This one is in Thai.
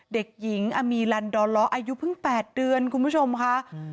เด็กหญิงอมีลันดอลล้ออายุเพิ่ง๘เดือนคุณผู้ชมค่ะ